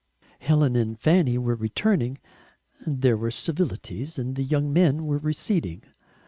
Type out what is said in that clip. Helen and Fanny were returning, there were civilities, and the young men were receding.